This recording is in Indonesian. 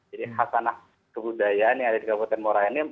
jadi khas tanah kebudayaan yang ada di kabupaten morainim